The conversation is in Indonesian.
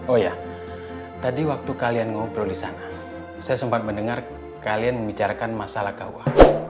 oh ya tadi waktu kalian ngobrol di sana saya sempat mendengar kalian membicarakan masalah kuah